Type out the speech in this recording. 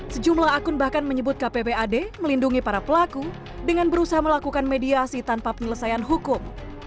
sejumlah akun bahkan menyebut kppad melindungi para pelaku dengan berusaha melakukan mediasi tanpa penyelesaian hukum